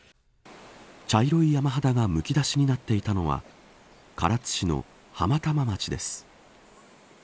茶色い山肌がむき出しになっていたのは唐津市の浜玉町です。